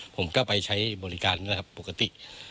ผมก็ไปใช้บริการนะครับปกติ